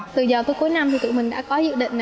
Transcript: từ giờ tới cuối năm thì tụi mình đã có dự định